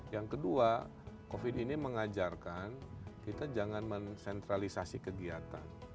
yang kedua covid ini mengajarkan kita jangan mensentralisasi kegiatan